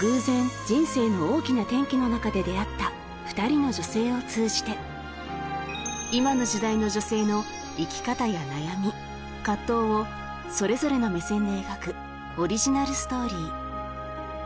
偶然人生の大きな転機の中で出会った２人の女性を通じて今の時代の女性の生き方や悩み葛藤をそれぞれの目線で描くオリジナルストーリー